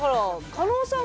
加納さん